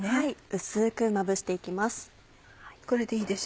薄くまぶして行きます。